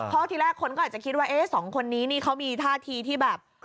เพราะทีแรกคนก็อาจจะคิดว่าสองคนนี้นี่เขามีท่าทีที่แบบ